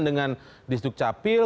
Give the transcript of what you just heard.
dengan disduk capil